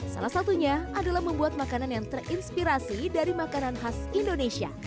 salah satunya adalah membuat makanan yang terinspirasi dari makanan khas indonesia